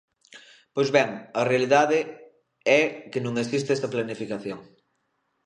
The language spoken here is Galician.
Pois ben, a realidade é que non existe esa planificación.